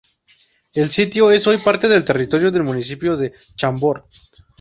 El sitio es hoy parte del territorio del municipio de Chambord.